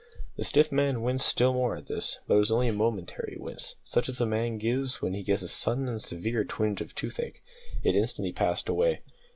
The stiff man winced still more at this, but it was only a momentary wince, such as a man gives when he gets a sudden and severe twinge of toothache. It instantly passed away.